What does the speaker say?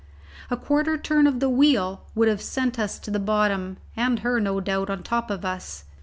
A quarter turn of the wheel would have sent us to the bottom, and her, no doubt, on top of us.